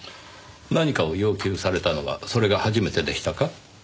何かを要求されたのはそれが初めてでしたか？